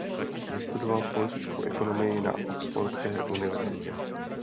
Vystudoval politickou ekonomii na Oxfordské univerzitě.